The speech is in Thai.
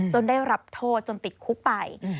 ได้รับโทษจนติดคุกไป